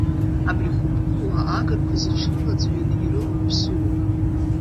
Абри Хубулиа агырқәа зыҽрылаӡҩаны ирылоу аԥсуоуп.